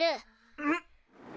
うん？